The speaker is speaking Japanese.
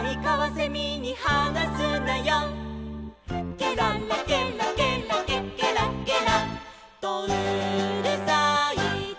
「ケララケラケラケケラケラとうるさいぞ」